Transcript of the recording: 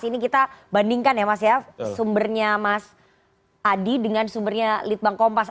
ini kita bandingkan ya mas ya sumbernya mas adi dengan sumbernya litbang kompas